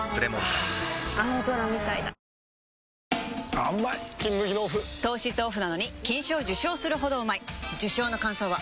あーうまい「金麦」のオフ糖質オフなのに金賞受賞するほどうまい受賞の感想は？